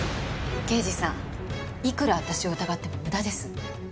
刑事さんいくら私を疑っても無駄です。